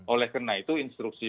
oleh karena itu instruksi